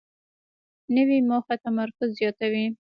نوې موخه تمرکز زیاتوي